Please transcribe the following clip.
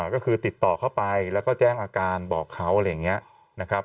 ก็คือติดต่อเข้าไปแล้วก็แจ้งอาการบอกเขาอะไรอย่างนี้นะครับ